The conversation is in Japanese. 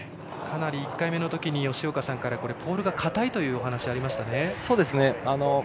かなり１回目のときに吉岡さんから、ポールがかたいというお話がありました。